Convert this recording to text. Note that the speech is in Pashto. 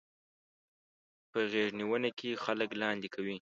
په غېږنيونه کې خلک لاندې کوي.